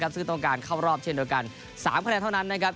ซึ่งต้องการเข้ารอบเช่นเดียวกัน๓คะแนนเท่านั้นนะครับ